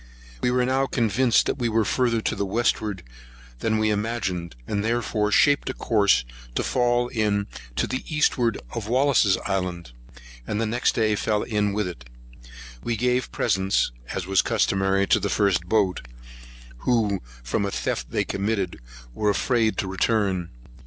We were now convinced that we were further to the westward than we imagined, and therefore shaped a course to fall in to the eastward of Wallis's Island; and next day fell in with it. We gave presents, as customary, to the first boat; who, from a theft they committed, were afraid to return.